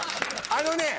あのね。